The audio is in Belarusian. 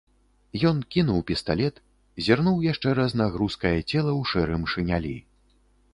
Ён кінуў пісталет, зірнуў яшчэ раз на грузкае цела ў шэрым шынялі.